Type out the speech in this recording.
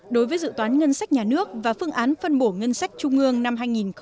đối với dự toán ngân sách nhà nước và phương án phân bổ ngân sách trung ương năm hai nghìn hai mươi